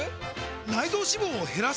内臓脂肪を減らす！？